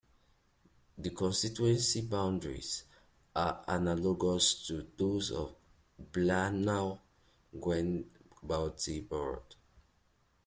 The constituency boundaries are analogous to those of Blaenau Gwent county borough.